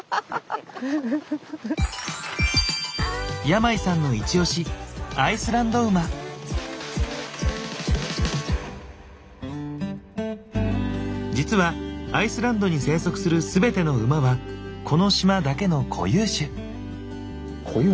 山井さんのイチオシ実はアイスランドに生息する全ての馬はこの島だけの固有種。